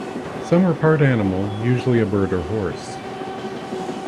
Some are part animal, usually a bird or horse.